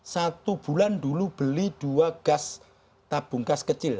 satu bulan dulu beli dua gas tabung gas kecil